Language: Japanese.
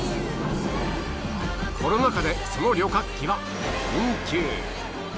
コロナ禍でその旅客機は運休。